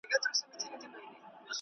بیا دي پغمان دی واورو نیولی ,